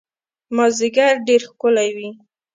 مازیګر ډېر ښکلی وي